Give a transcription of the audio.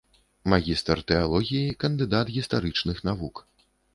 Магістр тэалогіі, кандыдат гістарычных навук.